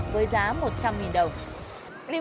với giá một trăm linh đồng